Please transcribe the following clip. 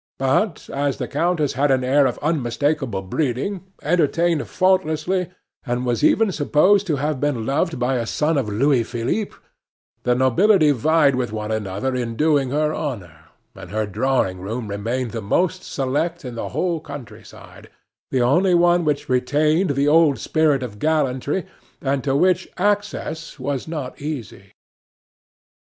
But as the countess had an air of unmistakable breeding, entertained faultlessly, and was even supposed to have been loved by a son of Louis Philippe, the nobility vied with one another in doing her honor, and her drawing room remained the most select in the whole countryside the only one which retained the old spirit of gallantry, and to which access was not easy.